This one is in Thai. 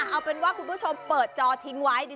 เอาเป็นว่าคุณผู้ชมเปิดจอทิ้งไว้